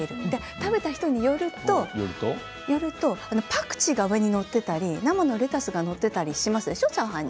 食べた人によるとパクチーが上に載っていたり生のレタスが載っていたりしますでしょう、チャーハンに。